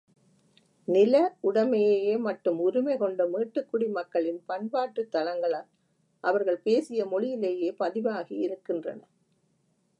நில உடைமையையே மட்டும் உரிமை கொண்ட மேட்டுக்குடி மக்களின் பண்பாட்டுத்தளங்கள் அவர்கள் பேசிய மொழியிலேயே பதிவாகி இருக்கின்றன.